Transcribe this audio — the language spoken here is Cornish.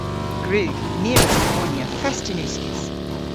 Gwrug. My a wrug ponya fest yn uskis.